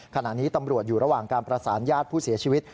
ขณะนี้ตำรวจอยู่ระหว่างการประสานญาติผู้เสียชีวิต